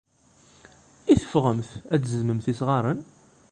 I teffɣemt ad d-tzedmemt isɣaren?